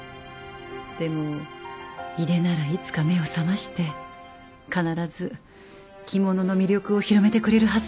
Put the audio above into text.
でも井手ならいつか目を覚まして必ず着物の魅力を広めてくれるはずです